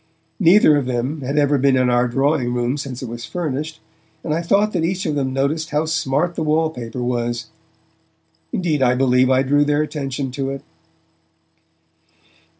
Neither of them had ever been in our drawing room since it was furnished, and I thought that each of them noticed how smart the wallpaper was. Indeed, I believe I drew their attention to it.